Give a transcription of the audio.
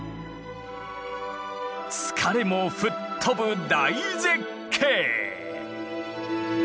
疲れも吹っ飛ぶ大絶景！